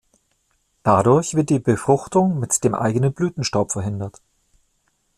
Dadurch wird die Befruchtung mit dem eigenen Blütenstaub verhindert.